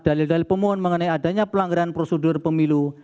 dalil dalil pemohon mengenai adanya pelanggaran prosedur pemilu